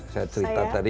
saya cerita tadi